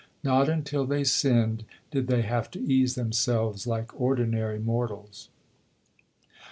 Not until they sinned, did they have to ease themselves like ordinary mortals.